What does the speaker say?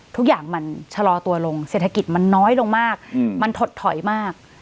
ทุกอย่างมันชะลอตัวลงเศรษฐกิจมันน้อยลงมากมันถดถอยมาก